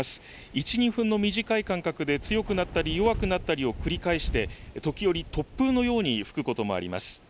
１、２分の短い間隔で強くなったり弱くなったりを繰り返して時折、突風のように吹くこともあります。